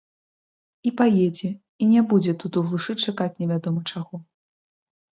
І паедзе, і не будзе тут у глушы чакаць невядома чаго.